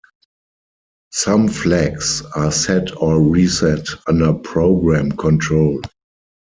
Some flags are set or reset under program control.